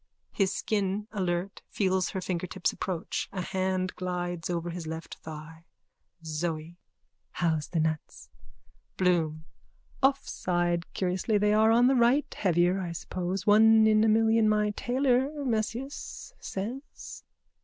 (His skin, alert, feels her fingertips approach. A hand glides over his left thigh.) ZOE: How's the nuts? BLOOM: Off side. Curiously they are on the right. Heavier, I suppose. One in a million my tailor, Mesias, says.